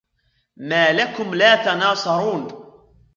ما لكم لا تناصرون